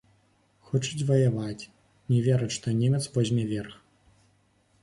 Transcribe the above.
Хочуць ваяваць, не вераць, што немец возьме верх.